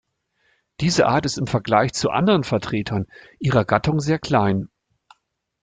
Diese Art ist im Vergleich zu anderen Vertretern ihrer Gattung sehr klein.